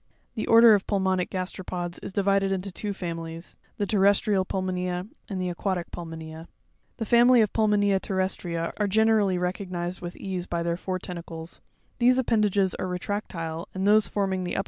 The order of pulmonic gasteropods is divided into two families ; the terrestrial pulmonea, and the aquatic pulmonea. 11. The Famity or Putmonea TeRREsTRIA are general ly recognised with ease by their four tentacles. These append ages are retractile, and those forming the upper pair, which 9.